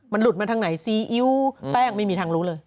มันหลุดมาทางไหนซีอิ๊วแป้งไม่มีทางรู้เลย